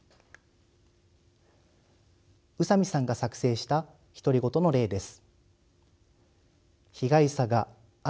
宇佐美さんが作成した独り言の例です。